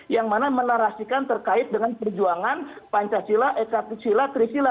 yang mana menarasikan terkait dengan perjuangan pancasila ekasila trisila